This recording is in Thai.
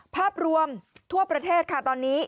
ภาพรวมทั่วประเทศค่ะตอนนี้